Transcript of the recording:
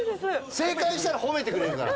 正解したら褒めてくれるから。